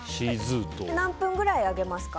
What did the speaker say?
何分ぐらい揚げますか？